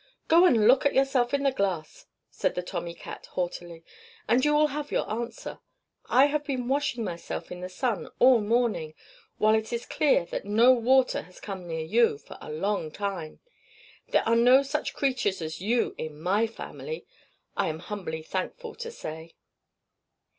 "Go and look at yourself in the glass," said the Tommy Cat haughtily, "and you will have your answer. I have been washing myself in the sun all the morning, while it is clear that no water has come near you for a long time. There are no such creatures as you in my family, I am humbly thankful to say."